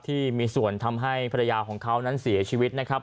ที่มีส่วนทำให้ภรรยาของเขานั้นเสียชีวิตนะครับ